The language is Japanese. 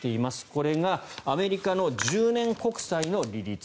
これがアメリカの１０年国債の利率。